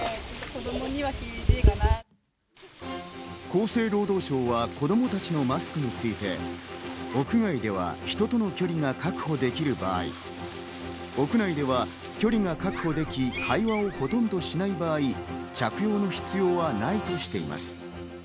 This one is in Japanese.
厚生労働省は子供たちのマスクについて屋外では人との距離が確保できる場合、屋内では距離が確保でき、会話をほとんどしない場合、着用の必要はないとしています。